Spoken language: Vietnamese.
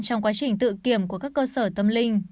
trong quá trình tự kiểm của các cơ sở tâm linh